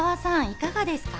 いかがですか？